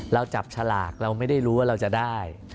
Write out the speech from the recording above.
เราจับฉลากเราไม่ได้รู้ว่าเราจะได้